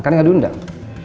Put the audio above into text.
kan gak diundang